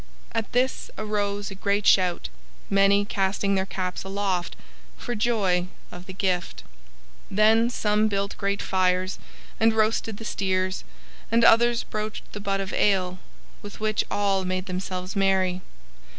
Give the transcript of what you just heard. At this arose a great shout, many casting their caps aloft, for joy of the gift. Then some built great fires and roasted the steers, and others broached the butt of ale, with which all made themselves merry.